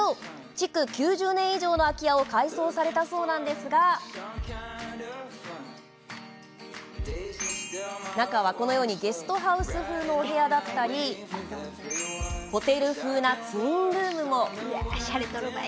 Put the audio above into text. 築９０年以上の空き家を改装されたそうなんですが中はゲストハウス風のお部屋だったりホテル風なツインルームも。